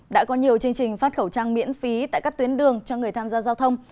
đã có nhiều chương trình phát khẩu trang miễn phí tại các tuyến đường cho người tham gia giao thông